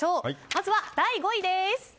まずは第５位です。